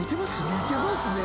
似てますね。